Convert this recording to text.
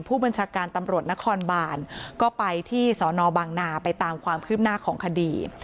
ผู้บัญชาการตำรวจนครบานก็ไปที่สอนอบางนาไปตามความคืบหน้าของคดี